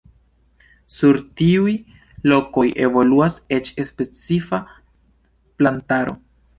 Sur tiuj lokoj evoluas eĉ specifa plantaro.